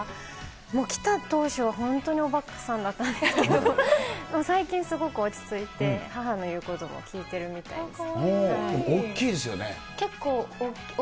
もう来た当初は本当におばかさんだったんですけど、でも最近すごく落ち着いて、母の言うことも聞いてるみたいです。